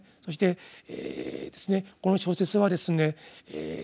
そしてこの小説はですね